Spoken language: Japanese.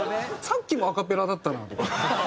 さっきもアカペラだったなとか。